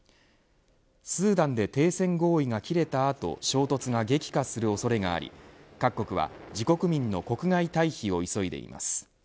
スーダンで停戦合意が切れた後衝突が激化する恐れがあり各国は、自国民の国外退避を急いでいます